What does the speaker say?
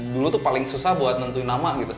dulu tuh paling susah buat nentuin nama gitu